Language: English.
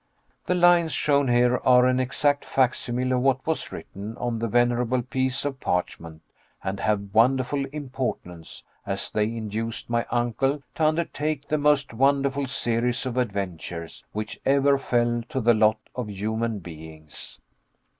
The lines shown here are an exact facsimile of what was written on the venerable piece of parchment and have wonderful importance, as they induced my uncle to undertake the most wonderful series of adventures which ever fell to the lot of human beings.